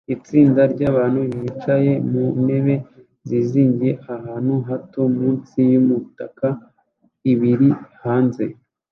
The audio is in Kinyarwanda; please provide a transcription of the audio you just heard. Itsinda ryabantu bicaye mu ntebe zizingiye ahantu hato munsi yumutaka ibiri hanze